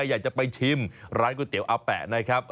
อยากจะไปชิมร้านก๋วยเตี๋ยวอาแปะนะครับ